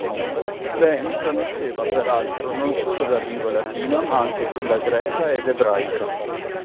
Ben conosceva, peraltro, non solo la lingua latina, ma anche quella greca ed ebraica.